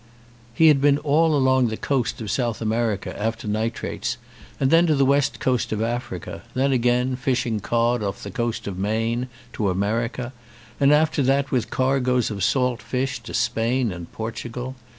He had been all along the coast of South Amer ica after nitrates, then to the west coast of Africa, then again, fishing cod off the coast of Maine, to America ; and after that with cargoes of salt fish to Spain and Portugal.